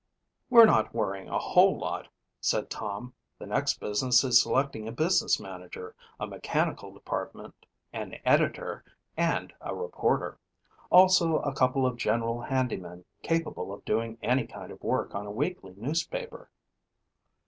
"We're not worrying a whole lot," said Tom. "The next business is selecting a business manager, a mechanical department, an editor, and a reporter. Also a couple of general handymen capable of doing any kind of work on a weekly newspaper."